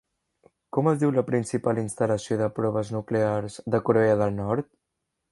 Com es diu la principal instal·lació de proves nuclears de Corea del Nord?